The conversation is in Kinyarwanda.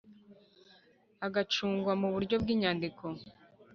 agacungwa mu buryo bw inyandiko